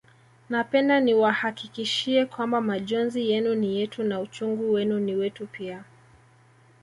Napenda niwahakikishie kwamba majonzi yenu ni yetu na uchungu wenu ni wetu pia